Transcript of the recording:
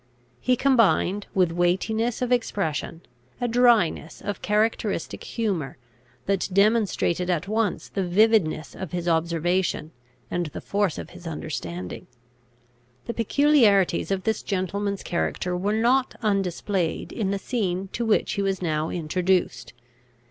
He combined, with weightiness of expression, a dryness of characteristic humour, that demonstrated at once the vividness of his observation, and the force of his understanding. The peculiarities of this gentleman's character were not undisplayed in the scene to which he was now introduced.